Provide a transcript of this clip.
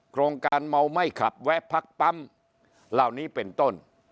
โครงการเมาไม่ขับแวะพักปั๊มเหล่านี้เป็นต้น